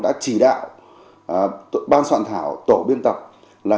đánh giá ban soạn thảo tổ biên tập là